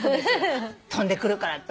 飛んでくるからって。